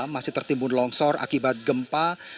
masih tertimbun longsor akibat gempa